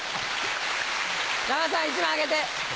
山田さん１枚あげて。